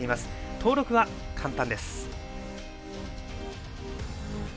登録は簡単です。